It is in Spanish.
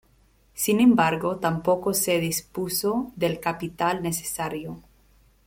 Sin embargo, tampoco se dispuso del capital necesario.